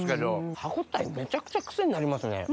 歯応えめちゃくちゃクセになりますね。